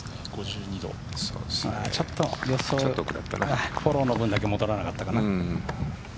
ちょっとフォローの方まで戻らなかったかな。